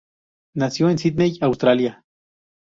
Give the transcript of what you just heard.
Nació en Sydney, Australia.